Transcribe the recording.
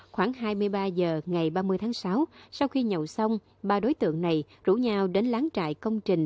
khoảng hai mươi ba h ngày ba mươi tháng sáu sau khi nhậu xong ba đối tượng này rủ nhau đến lán trại công trình